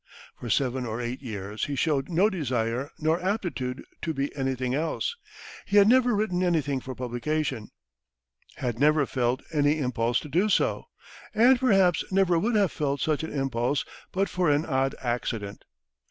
For seven or eight years, he showed no desire nor aptitude to be anything else. He had never written anything for publication, had never felt any impulse to do so, and perhaps never would have felt such an impulse but for an odd accident.